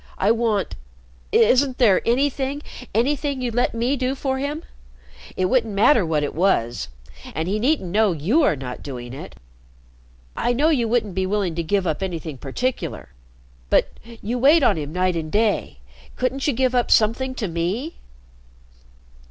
"I want isn't there anything anything you'd let me do for him? It wouldn't matter what it was. And he needn't know you are not doing it. I know you wouldn't be willing to give up anything particular. But you wait on him night and day. Couldn't you give up something to me?"